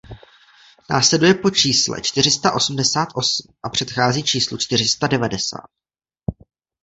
Následuje po čísle čtyři sta osmdesát osm a předchází číslu čtyři sta devadesát.